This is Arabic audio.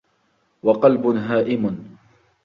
وَقَلْبٌ هَائِمٌ